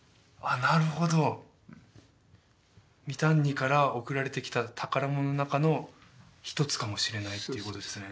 なるほどミタンニから送られてきた宝物の中の一つかもしれないっていうことですね